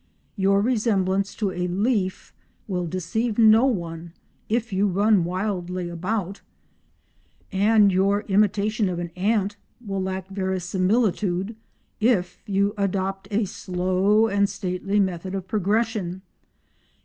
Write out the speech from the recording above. Your resemblance to a leaf will deceive no one if you run wildly about, and your imitation of an ant will lack verisimilitude if you adopt a slow and stately method of progression.